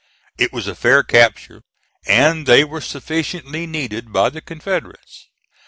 It was a fair capture, and they were sufficiently needed by the Confederates.